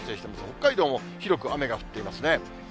北海道も広く雨が降っていますね。